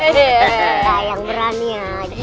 ayang berani aja